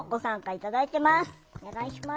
お願いします。